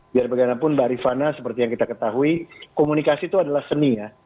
biar bagaimanapun mbak rifana seperti yang kita ketahui komunikasi itu adalah seni ya